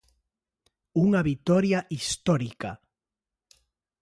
Unha vitoria histórica.